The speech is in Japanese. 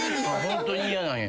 ホントに嫌なんや。